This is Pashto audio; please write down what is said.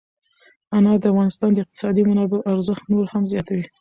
انار د افغانستان د اقتصادي منابعو ارزښت نور هم زیاتوي.